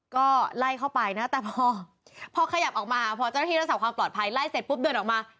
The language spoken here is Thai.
ก็ไล่เข้าไปนะแต่พอพอขยับออกมาพอเจ้าหน้าที่รักษาความปลอดภัยไล่เสร็จปุ๊บเดินออกมา